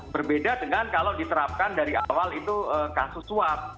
berbeda dengan kalau diterapkan dari awal itu kasus suap